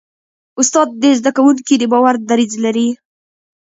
استاد د زده کوونکي د باور دریځ لري.